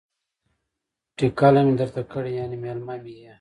ټکله می درته کړې ،یعنی میلمه می يی